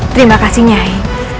terima kasih nyai